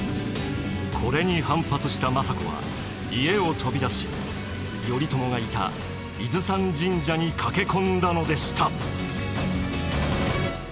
これに反発した政子は家を飛び出し頼朝がいた伊豆山神社に駆け込んだのでした。